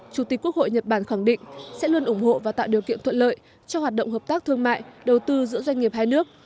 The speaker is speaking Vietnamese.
chủ tịch quốc hội nhật bản khẳng định sẽ luôn ủng hộ và tạo điều kiện thuận lợi cho hoạt động hợp tác thương mại đầu tư giữa doanh nghiệp hai nước